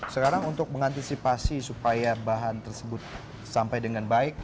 sekarang untuk mengantisipasi supaya bahan tersebut sampai dengan baik